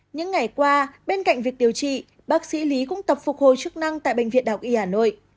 những ngày qua bên cạnh việc điều trị bác sĩ lý cũng tập phục hồi chức năng tại bệnh viện đọc y hà nội